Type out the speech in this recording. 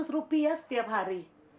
lima ratus rupiah setiap hari